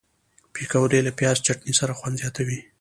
پکورې له پیاز چټني سره خوند زیاتوي